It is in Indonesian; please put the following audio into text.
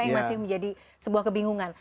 yang masih menjadi sebuah kebingungan